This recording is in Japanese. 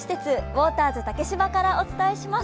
ウォーターズ竹芝からお送りします。